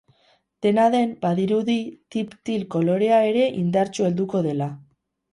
Dena den, badirudi deep teal kolorea ere indartsu helduko dela.